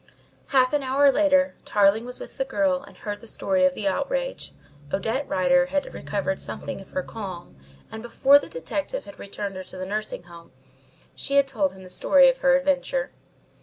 Half an hour later Tarling was with the girl and heard the story of the outrage. Odette Rider had recovered something of her calm, and before the detective had returned her to the nursing home she had told him the story of her adventure.